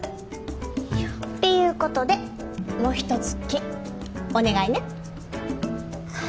いやっていうことでもう一つ「木」お願いね